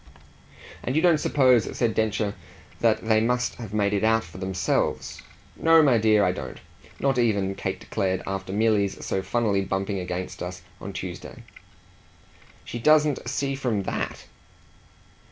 "And you don't suppose," said Densher, "that they must have made it out for themselves?" "No, my dear, I don't; not even," Kate declared, "after Milly's so funnily bumping against us on Tuesday." "She doesn't see from THAT